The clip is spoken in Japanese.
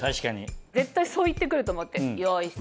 絶対そう言って来ると思って用意してます。